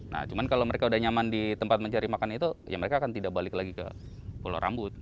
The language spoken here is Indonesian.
nah cuman kalau mereka udah nyaman di tempat mencari makan itu ya mereka akan tidak balik lagi ke pulau rambut